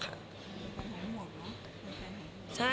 หายห่วงหรือเปล่า